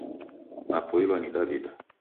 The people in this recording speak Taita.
Napoilwa ni daw'ida